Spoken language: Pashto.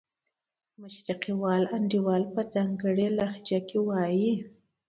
مشرقي وال انډیوال په ځانګړې لهجه کې وایي.